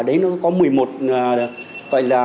ở đấy nó có một mươi một